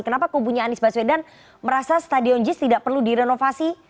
kenapa kubunya anies baswedan merasa stadion jis tidak perlu direnovasi